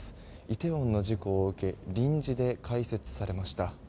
イテウォンの事故を受け臨時で開設されました。